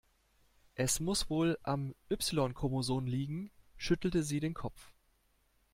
Es muss wohl am Y-Chromosom liegen, schüttelte sie den Kopf.